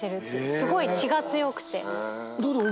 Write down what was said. すごい血が強くて。